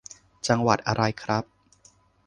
จังหวัดอะไรครับ